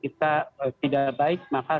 kita tidak baik maka